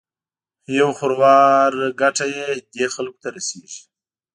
یو خروار ګټه یې دې خلکو ته رسېږي.